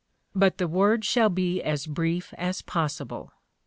But the word shall be as brief as possible.